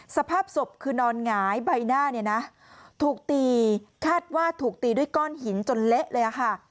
สภาพศพคือนอนหงายใบหน้าเนี่ยนะถูกตีคาดว่าถูกตีด้วยก้อนหินจนเละเลยค่ะ